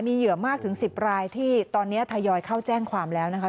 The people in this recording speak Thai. เหยื่อมากถึง๑๐รายที่ตอนนี้ทยอยเข้าแจ้งความแล้วนะคะ